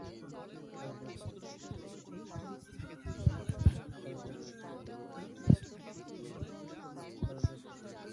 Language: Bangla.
তারা উভয়েই হরিয়ানার ব্যাডমিন্টন চ্যাম্পিয়ন ছিলেন।